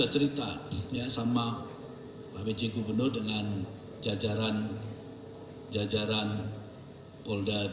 aku ya nyatanya sukar cantik sangat susah harold newton org